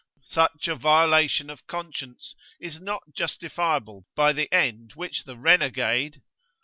Such a violation of conscience is not justifiable by the end which the renegade